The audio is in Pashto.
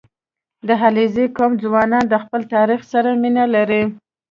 • د علیزي قوم ځوانان د خپل تاریخ سره مینه لري.